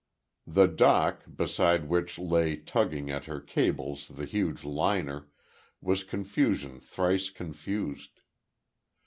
The dock, beside which lay tugging at her cables the huge liner, was confusion thrice confused.